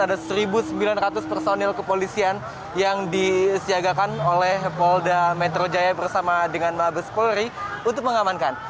ada satu sembilan ratus personil kepolisian yang disiagakan oleh polda metro jaya bersama dengan mabes polri untuk mengamankan